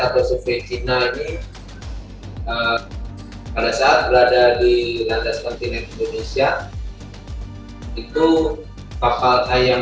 atau survei cina ini pada saat berada di landas kontinen indonesia itu kapal ayam